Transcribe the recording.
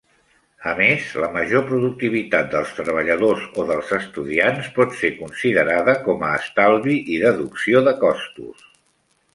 A més, la major productivitat dels treballadors o dels estudiants pot ser considerada com a estalvi i deducció de costos.